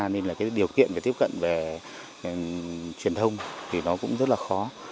nên là cái điều kiện về tiếp cận về truyền thông thì nó cũng rất là khó